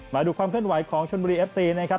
มาดูความเคลื่อนไหวของชนบุรีเอฟซีนะครับ